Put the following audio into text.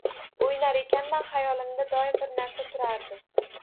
Oʻynar ekanman xayolimda doim bir narsa turardi